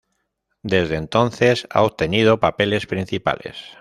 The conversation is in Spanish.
Desde entonces, ha obtenido papeles principales.